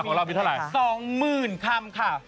ของเรามีเท่าไหร่สองหมื่นคำค่ะ